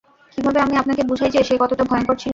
কীভাবে আমি আপনাকে বুঝাই যে, সে কতটা ভয়ংকর ছিলো!